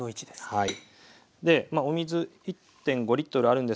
はい。